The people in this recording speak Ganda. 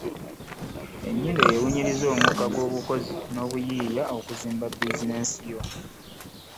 Ennyindo ewunyirize omukka ogw’obukozi n’obuyiiya okuzimba biizinensi yo